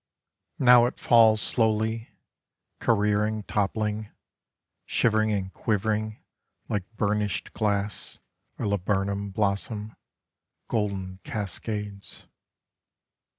Now it falls slowly, Careering, toppling, Shivering and quivering like burnished glass or laburnum blossom, Golden cascades.